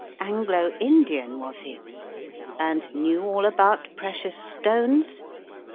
Anglo Indian, was he? And knew all about precious stones?